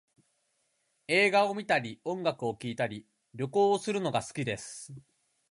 映画を観たり音楽を聴いたり、旅行をするのが好きです